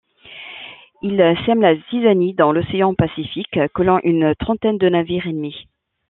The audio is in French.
Il sème la zizanie dans l'océan Pacifique, coulant une trentaine de navires ennemis.